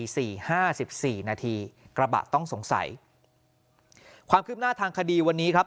สี่ห้าสิบสี่นาทีกระบะต้องสงสัยความคืบหน้าทางคดีวันนี้ครับ